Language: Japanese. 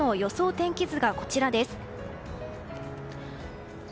天気図がこちら。